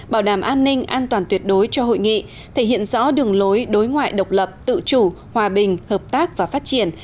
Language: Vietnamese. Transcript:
bảo đảm an ninh an toàn tuyệt đối cho hội nghị thể hiện rõ đường lối đối ngoại độc lập tự chủ hòa bình hợp tác và phát triển